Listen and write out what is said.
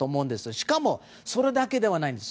しかもそれだけではないんです。